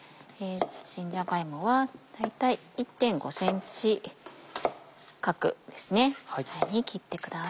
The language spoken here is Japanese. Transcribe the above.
新じゃが芋は大体１．５ｃｍ角に切ってください。